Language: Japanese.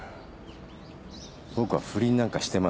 僕は不倫なんかしてません。